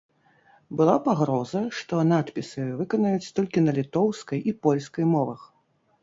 Была пагроза, што надпісы выканаюць толькі на літоўскай і польскай мовах.